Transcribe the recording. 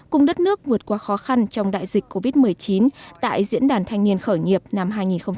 cùng đất nước vượt qua khó khăn trong đại dịch covid một mươi chín tại diễn đàn thanh niên khởi nghiệp năm hai nghìn hai mươi